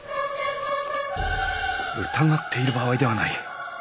疑っている場合ではない。